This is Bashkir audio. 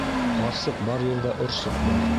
Ҡарсыҡ бар ерҙә орсоҡ бар.